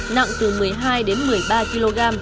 nặng từ một mươi hai đến một mươi ba kg